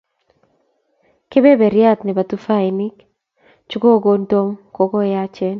kebeberyat nebo tufainik chrkokonon Tom ku koyachen